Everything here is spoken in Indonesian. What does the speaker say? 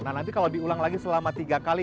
nah nanti kalau diulang lagi selama tiga kali